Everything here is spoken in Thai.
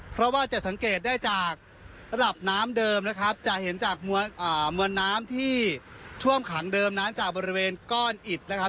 เพราะว่าจะสังเกตได้จากระดับน้ำเดิมนะครับจะเห็นจากมวลน้ำที่ท่วมขังเดิมนั้นจากบริเวณก้อนอิดนะครับ